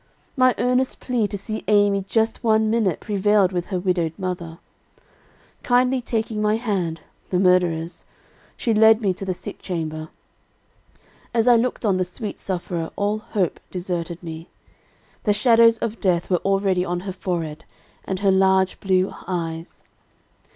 "My earnest plea to see Amy just one minute, prevailed with her widowed mother. Kindly taking my hand the murderer's she led me to the sick chamber. As I looked on the sweet sufferer, all hope deserted me. The shadows of death were already on her forehead and her large blue eyes.